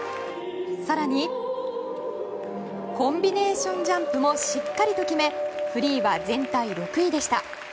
更にコンビネーションジャンプもしっかりと決めフリーは全体６位でした。